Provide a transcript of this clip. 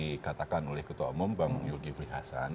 dikatakan oleh ketua umum bang yogi frihasan